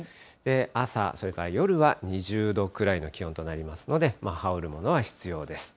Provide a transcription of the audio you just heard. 朝、それから夜は２０度くらいの気温となりますので、羽織るものは必要です。